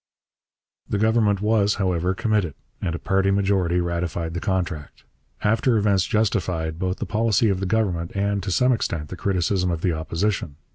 The Government was, however, committed, and a party majority ratified the contract. After events justified both the policy of the Government and, to some extent, the criticism of the Opposition.